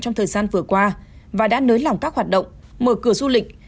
trong thời gian vừa qua và đã nới lỏng các hoạt động mở cửa du lịch